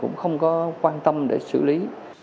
cũng không có quan tâm để xử lý